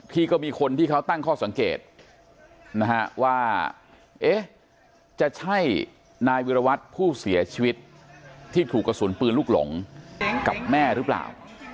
ที่ก็มีคนที่เขาตั้งข้อสังเกตนะฮะว่าเอ๊ะจะใช่นายวิรวัตรผู้เสียชีวิตที่ถูกกระสุนปืนลูกหลงกับแม่หรือเปล่า